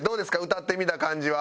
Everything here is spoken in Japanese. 歌ってみた感じは。